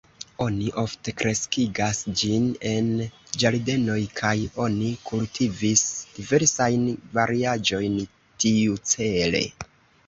Oni ofte kreskigas ĝin en ĝardenoj kaj oni kultivis diversajn variaĵojn tiucele.